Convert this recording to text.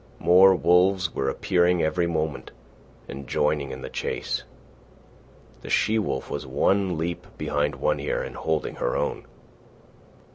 More wolves were appearing every moment and joining in the chase. The she wolf was one leap behind One Ear and holding her own.